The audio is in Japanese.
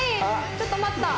「ちょっと待った」。